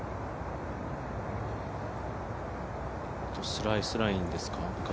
スライスラインですか。